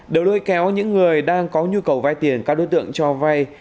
đều lôi kéo những người đang có nhu cầu vay tiền các đối tượng cho vay